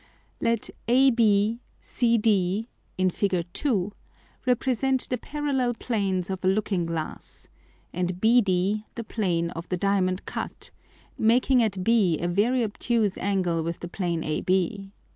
Let AB, CD [in Fig. 2.] represent the parallel Planes of a Looking glass, and BD the Plane of the Diamond cut, making at B a very obtuse Angle with the Plane AB.